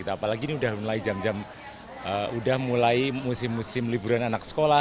apalagi ini udah mulai jam jam udah mulai musim musim liburan anak sekolah